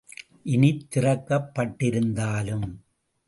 இனித் திறக்கப் பட்டிருந்தாலும்.